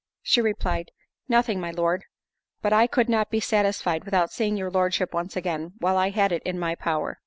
She replied, "Nothing, my Lord; but I could not be satisfied without seeing your Lordship once again, while I had it in my power."